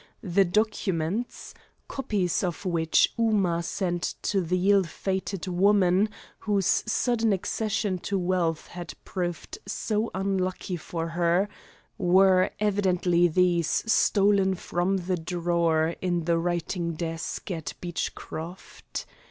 The "documents," copies of which Ooma sent to the ill fated woman whose sudden accession to wealth had proved so unlucky for her, were evidently those stolen from the drawer in the writing desk at Beechcroft.